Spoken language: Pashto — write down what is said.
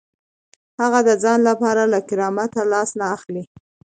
هغه د ځان لپاره له کرامت لاس نه اخلي.